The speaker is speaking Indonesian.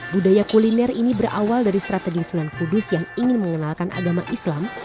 budaya kuliner ini berawal dari strategi sunan kudus yang ingin mengenalkan agama islam